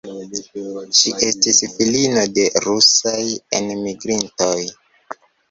Ŝi estis filino de rusaj enmigrintoj.